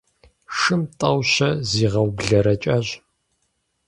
Шым тӀэу-щэ зигъэублэрэкӀащ.